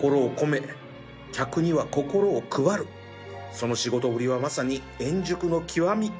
その仕事ぶりはまさに円熟の極み